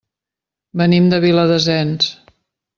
Venim de Viladasens.